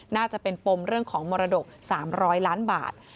น่าจะเป็นปมเรื่องของมรดก๓๐๐ล้านบาท